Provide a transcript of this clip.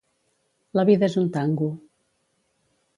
La vida és un tango.